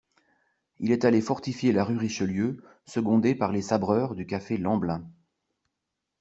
Il est allé fortifier la rue Richelieu, secondé par les sabreurs du café Lemblin.